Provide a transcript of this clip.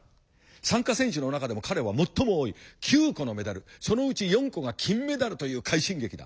参加選手の中でも彼は最も多い９個のメダルそのうち４個が金メダルという快進撃だ。